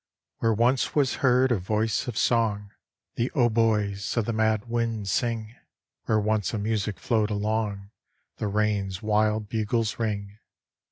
Where once was heard a voice of song, The hautboys of the mad winds sing; Where once a music flowed along, The rain's wild bugles ring.